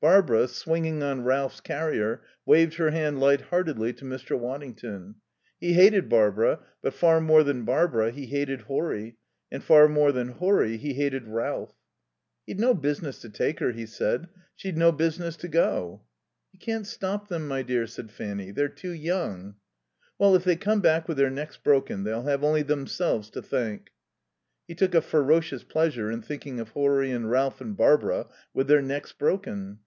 Barbara, swinging on Ralph's carrier, waved her hand light heartedly to Mr. Waddington. He hated Barbara; but far more than Barbara he hated Horry, and far more than Horry he hated Ralph. "He'd no business to take her," he said. "She'd no business to go." "You can't stop them, my dear," said Fanny; "they're too young." "Well, if they come back with their necks broken they'll have only themselves to thank." He took a ferocious pleasure in thinking of Horry and Ralph and Barbara with their necks broken.